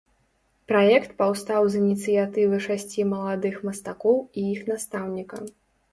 Праект паўстаў з ініцыятывы шасці маладых мастакоў і іх настаўніка.